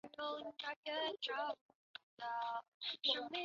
如滑行道和停机坪等机场禁区地区也设有适当的照明器材。